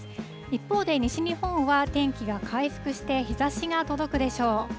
一方で西日本は天気が回復して、日ざしが届くでしょう。